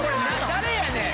誰やねん！